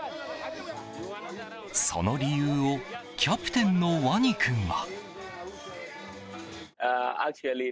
その理由をキャプテンのワニ君は。